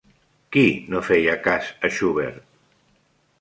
Qui no feia cas a Schubert?